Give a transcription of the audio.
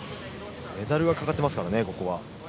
メダルがかかってますからここは。